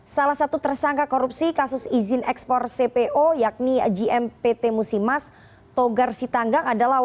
salah satu tersangka korupsi kasus izin ekspor cpo yakni gmpt musimas togar sitanggang adalah